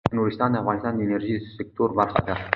نورستان د افغانستان د انرژۍ سکتور برخه ده.